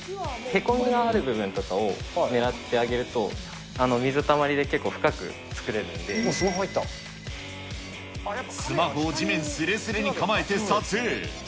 へこみがある部分とかを狙ってあげると、水たまりで結構深くスマホを地面すれすれに構えて撮影。